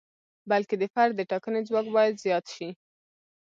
بلکې د فرد د ټاکنې ځواک باید زیات شي.